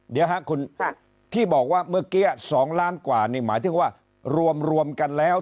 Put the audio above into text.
เดี๋ยวครับคุณที่บอกว่าเมื่อกี้๒ล้านกว่านี่หมายถึงว่ารวมกันแล้ว